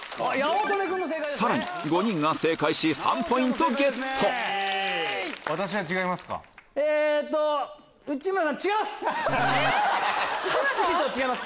さらに５人が正解し３ポイントゲット内村さん違います！